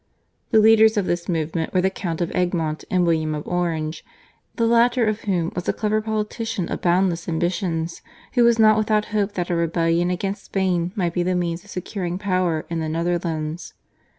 The leaders of this movement were the Count of Egmont and William of Orange, the latter of whom was a clever politician of boundless ambitions, who was not without hope that a rebellion against Spain might be the means of securing supreme power in the Netherlands.